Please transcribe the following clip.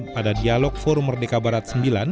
pada dialog forum merdeka barat sembilan